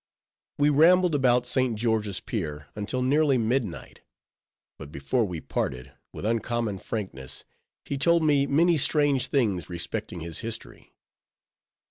We rambled about St. George's Pier until nearly midnight; but before we parted, with uncommon frankness, he told me many strange things respecting his history.